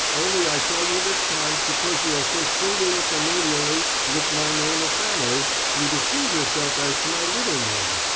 Only I tell you this time, because you are so singular familiarly with my name of family, you deceive yourself as to my little name.